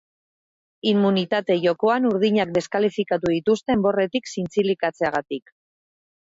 Immunitate jokoan urdinak deskalifikatu dituzte enborretik zintzilikatzeagatik.